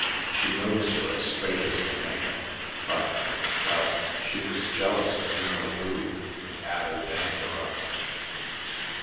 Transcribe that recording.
She knows you're as straight as they make 'em, but — well, she was jealous of you know 'oo, and 'ad *er dander up."